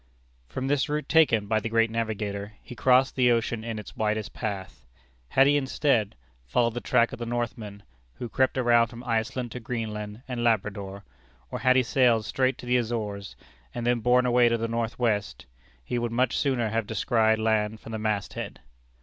From this route taken by the great navigator, he crossed the ocean in its widest part. Had he, instead, followed the track of the Northmen, who crept around from Iceland to Greenland and Labrador; or had he sailed straight to the Azores, and then borne away to the north west, he would much sooner have descried land from the mast head.